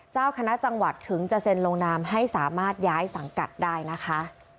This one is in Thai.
เจ้าคณะจังหวัดถึงจะเซ็นลงนามให้สามารถย้ายสังกัดได้นะคะ